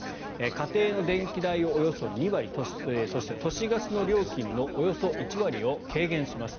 家庭の電気代をおよそ２割そして都市ガスの料金のおよそ１割を軽減します。